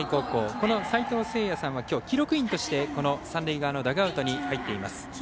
この齊藤成隼さんはきょうは記録員としてこの三塁側のダグアウトに入っています。